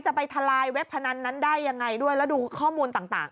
ไปทลายเว็บพนันนั้นได้ยังไงด้วยแล้วดูข้อมูลต่าง